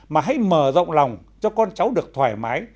mà hãy mở rộng lòng cho con cháu được thoải mái